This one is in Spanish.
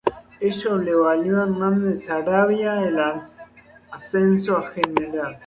Ello le valió a Hernández Saravia el ascenso a general.